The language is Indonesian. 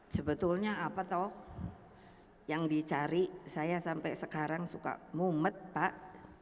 sebetulnya apa toh yang dicari saya sampai sekarang suka mumet pak